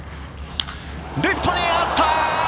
レフトに上がった。